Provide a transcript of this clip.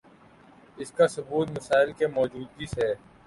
اسکا ثبوت مسائل کی موجودگی ہے